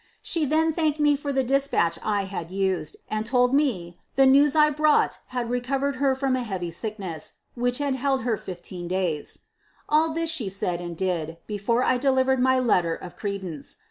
*> She then thanked me for the despatch I had used, and told me 'the newa I brought had recovered tier from a heavy sickness, wbieh had held her fifteen days !' All this she said and did, before I delivered my letter of credence.